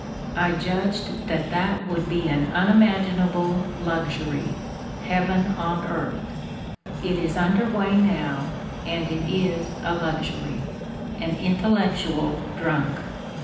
I judged that that would be an unimagin able luxury, heaven on earth. It is under way, now, and it is a luxury! an intellectual drunk."